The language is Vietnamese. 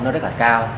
nó rất là cao